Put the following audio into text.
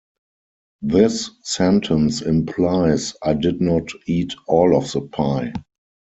This sentence implies I did not eat all of the pie.